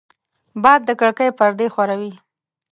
باد د کړکۍ پردې ښوروي